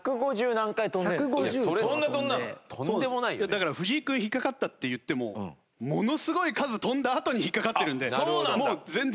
だから藤井君引っかかったっていってもものすごい数跳んだあとに引っかかってるんでもう全然。